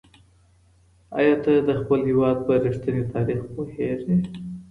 ایا ته د خپل هېواد په رښتیني تاریخ پوهېږې؟